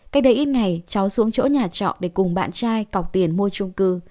cách đây ít ngày cháu xuống chỗ nhà trọ để cùng bạn trai cọc tiền mua trung cư